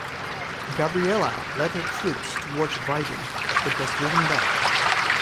Gabriela led her troops towards Vigan but was driven back.